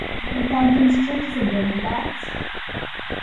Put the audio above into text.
There are many fountains, churches, and Roman baths.